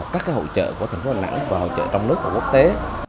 các hỗ trợ của thành phố đà nẵng và hỗ trợ trong nước và quốc tế